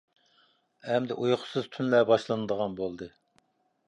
ئەمدى ئۇيقۇسىز تۈنلەر باشلىنىدىغان بولدى.